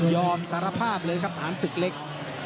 ยอมสารภาพเลยครับผ่านสึกเล็ก